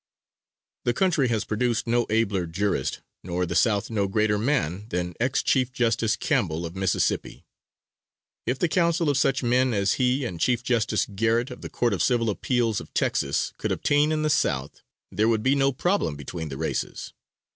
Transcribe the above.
The country has produced no abler jurist, nor the South no greater man than Ex Chief Justice Campbell of Mississippi. If the counsel of such men as he and Chief Justice Garret of the Court of Civil Appeals of Texas, could obtain in the South, there would be no problem between the races.